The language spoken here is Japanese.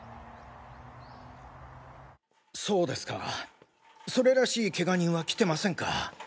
そうですかそれらしいケガ人は来てませんか。